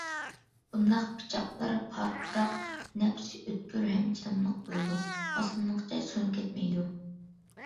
بۇنداق پىچاقلار پارقىراق، نەپس، ئۆتكۈر ھەم چىداملىق بولىدۇ، ئاسانلىقچە سۇنۇپ كەتمەيدۇ.